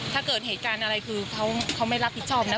ถ้าเกิดเหตุการณ์อะไรคือเขาไม่รับผิดชอบนะ